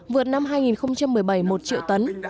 vượt năm hai nghìn một mươi bảy một triệu tấn